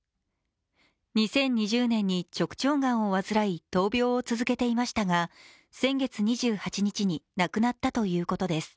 ２０２０年に直腸がんを患い闘病を続けていましたが先月２８日に亡くなったということです。